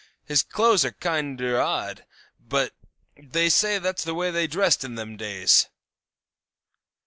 His clothes are kinder odd, but they say that's the way they dressed in them days.